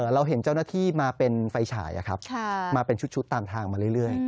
เราเห็นเจ้าหน้าที่มาเป็นไฟฉายมาเป็นชุดตามทางมาเรื่อย